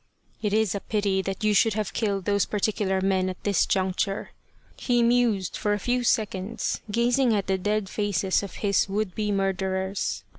" It is a pity that you should have killed those particular men at this juncture." He mused for a few seconds, gazing at the dead faces of his would be murderers.